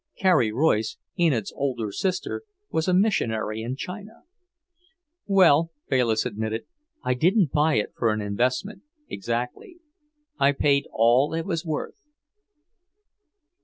Carrie Royce, Enid's older sister, was a missionary in China. "Well," Bayliss admitted, "I didn't buy it for an investment, exactly. I paid all it was worth."